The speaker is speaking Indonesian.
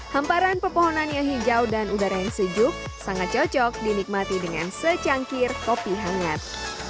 hamparan pepohonan yang hijau dan udara yang sejuk sangat cocok dinikmati dengan secangkir kopi hangat